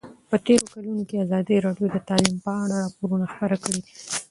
په تېرو کلونو کې ازادي راډیو د تعلیم په اړه راپورونه خپاره کړي دي.